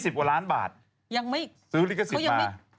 ๒๐กว่าล้านบาทซื้อลิขสิทธิ์มา